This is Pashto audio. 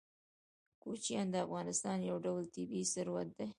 کوچیان د افغانستان یو ډول طبعي ثروت دی.